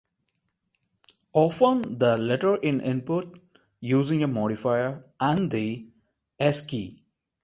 Often, the letter is input using a modifier and the "s" key.